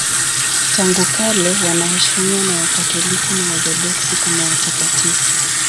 Tangu kale wanaheshimiwa na Wakatoliki na Waorthodoksi kama watakatifu.